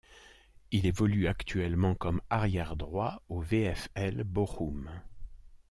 Il évolue actuellement comme arrière droit au VfL Bochum.